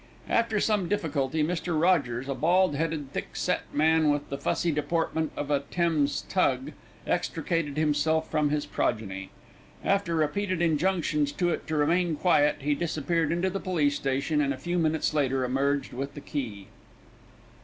After some difficulty, Mr. Rogers, a bald headed, thick set man with the fussy deportment of a Thames tug, extricated himself from his progeny. After repeated injunctions to it to remain quiet, he disappeared into the police station and a few minutes later emerged with the key.